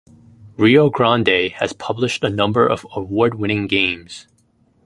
Rio Grande has published a number of award-winning games.